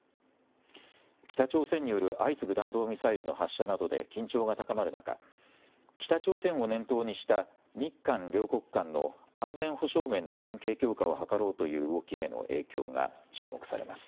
北朝鮮による相次ぐ弾道ミサイルの発射などで緊張が高まる中北朝鮮を念頭にした日韓両国間の安全保障面の連携強化を図ろうという動きへの影響が注目されます。